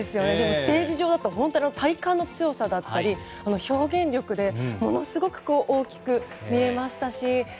ステージ上だと本当に体幹の強さだったり表現力でものすごく大きく見えましたし